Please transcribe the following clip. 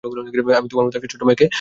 আমি তোমার মতো একটা ছোট্ট মেয়েকে চিনতাম।